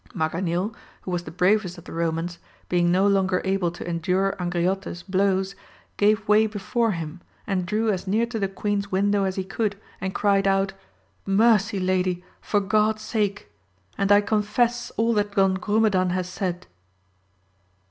Maganil, who was the bravest of the Eomans, being no longer able to endure Angriote's blows, gave way before him, and drew as near to the queen's win dow as he could, and cried out, Mercy lady, for God's sake ! and I confess all that Don Grumedan has said.